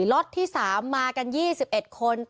ล็อตที่สามมากันยี่สิบเอ็ดคน